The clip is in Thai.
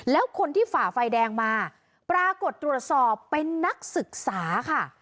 แล้วคนที่ฝ่าไฟแดงมาปรากฏตรวจสอบเป็นนักศึกษาค่ะ